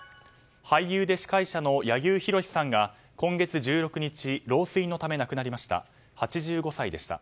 俳優で司会者の柳生博さんが今月１６日老衰のため亡くなりました。